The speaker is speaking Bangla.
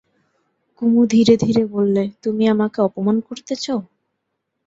কুমু ধীরে ধীরে বললে, তুমি আমাকে অপমান করতে চাও?